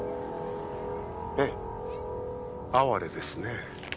ええ哀れですね